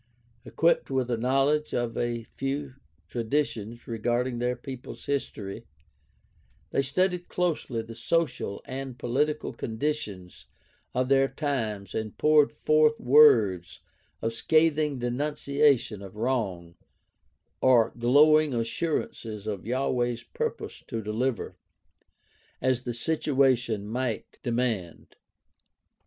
Equipped with a knowledge of a few traditions regarding their people's history, they studied closely the social and political conditions of their times and poured forth words of scathing denunciation of wrong, or glowing assurances of Yahweh's purpose to deliver, as the situation might deraand.